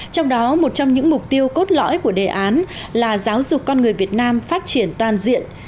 trong đó một trong những mục tiêu cốt lõi của đề án là giáo dục con người việt nam phát triển toàn diện